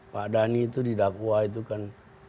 pak dhani itu di dakwah itu kan